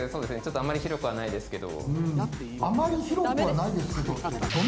あまり広くはないですけど。